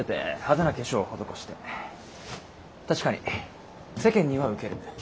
確かに世間には受ける。